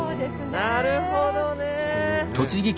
なるほどね！